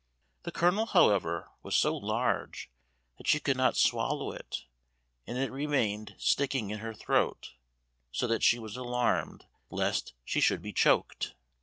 The kernel, however, was so large that she could not swallow it, and it remained sticking in her throat, so that she was alarmed lest she should be choked.